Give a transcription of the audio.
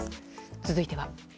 続いては。